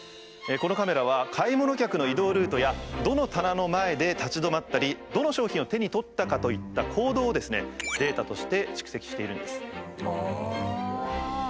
このカメラは買い物客の移動ルートやどの棚の前で立ち止まったりどの商品を手に取ったかといった行動をですねデータとして蓄積しているんです。